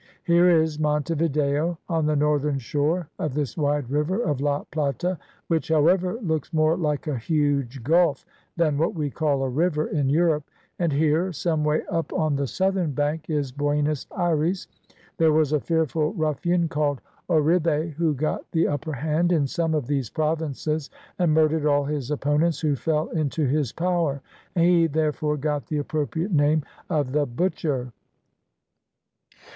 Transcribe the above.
Here is Monte Video, on the northern shore of this wide river of La Plata, which, however, looks more like a huge gulf than what we call a river in Europe, and here, some way up on the southern bank, is Buenos Ayres. There was a fearful ruffian, called Orribe, who got the upper hand in some of these provinces, and murdered all his opponents who fell into his power; he therefore got the appropriate name of the `butcher.'